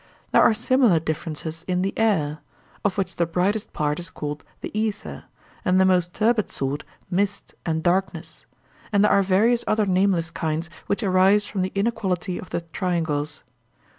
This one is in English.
There are similar differences in the air; of which the brightest part is called the aether, and the most turbid sort mist and darkness; and there are various other nameless kinds which arise from the inequality of the triangles.